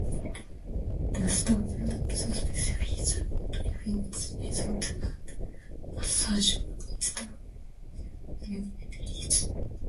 The standard also specifies attributes, methods and assertions with the geometries.